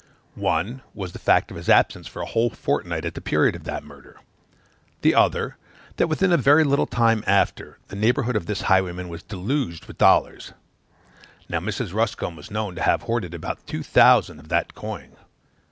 One was, the fact of his absence for a whole fortnight at the period of that murder: the other, that, within a very little time after, the neighborhood of this highwayman was deluged with dollars: now Mrs. Ruscombe was known to have hoarded about two thousand of that coin.